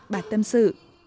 bà tâm sự